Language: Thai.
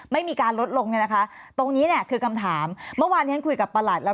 ไม่มีการลดลงนะคะตรงนี้คือกำถามเมื่อวานที่คุยกับประหลัดแล้ว